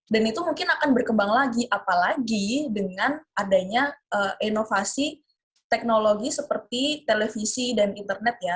dan itu mungkin akan berkembang lagi apalagi dengan adanya inovasi teknologi seperti televisi dan internet ya